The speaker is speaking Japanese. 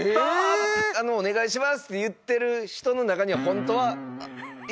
あの「お願いします」って言ってる人の中には。